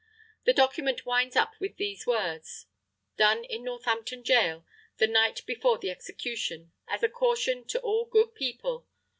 The document winds up with these words: "Done in Northampton Gaol, the night before the execution, as a caution to all good people.